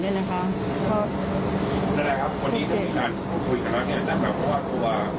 เพราะนั่นแหละครับวันนี้จะมีการคุยกับพระเฮียแต่แบบเพราะว่าเพราะว่า